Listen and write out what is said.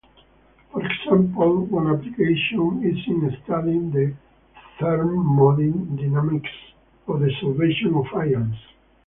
For example, one application is in studying the thermodynamics of the solvation of ions.